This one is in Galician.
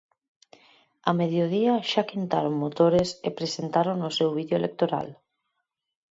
Ao mediodía xa quentaron motores e presentaron o seu vídeo electoral.